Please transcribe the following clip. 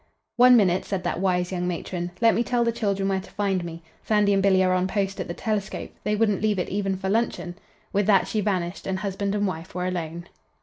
"One minute," said that wise young matron. "Let me tell the children where to find me. Sandy and Billy are on post at the telescope. They wouldn't leave it even for luncheon." With that she vanished, and husband and wife were alone.